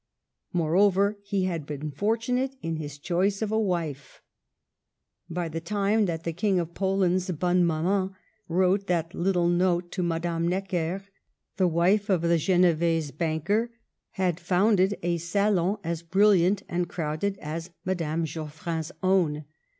Moreover, he had been fortunate in his choice of a wife. By the time that the King of Poland's bonne maman wrote that little note to Madame Necker, the wife of the Genevese banker had founded a Digitized by VjOOQIC THE MOTHER. 3 salon as brilliant and crowded as Madame Geoff rin's own.